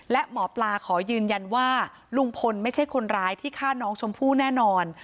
และหมอปลาขอยืนยันว่าลุงพลไม่ใช่คนร้ายที่ฆ่าน้องชมพู่แน่นอน